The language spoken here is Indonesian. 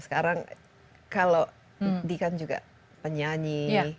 sekarang kalau di kan juga penyanyi